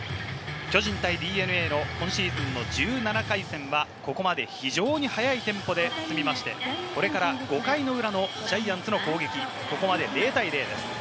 巨人対ＤｅＮＡの今シーズンの１７回戦はここまで非常に早いテンポで進みまして、これから５回の裏のジャイアンツの攻撃、ここまで０対０です。